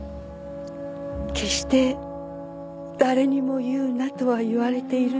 決して誰にも言うなとは言われているんですが。